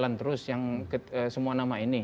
jadi itu akan berjalan terus yang semua nama ini